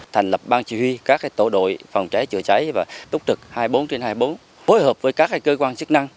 thành lập ban chỉ huy các tổ đội phòng cháy chữa cháy và túc trực hai mươi bốn trên hai mươi bốn hối hợp với các cơ quan chức năng